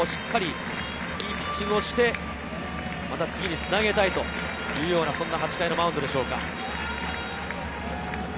又吉としてはしっかりいいピッチングをして、次につなげたいというような８回のマウンドでしょうか。